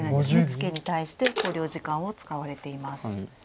ツケに対して考慮時間を使われています。